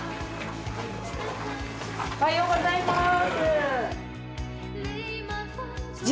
おはようございます。